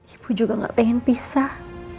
ibu juga gak pengen pisah